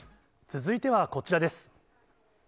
続いてはこちらです。